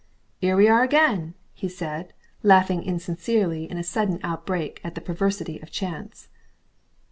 "'Ere we are again!" he said, laughing insincerely in a sudden outbreak at the perversity of chance.